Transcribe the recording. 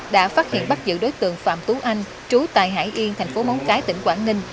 đã phát hiện bắt giữ đối tượng phạm tú anh trú tại hải yên thành phố móng cái tỉnh quảng ninh